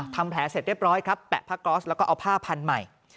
ทำแผลเสร็จเรียบร้อยครับแปะผ้าก๊อสแล้วก็เอาผ้าพันธุ์ใหม่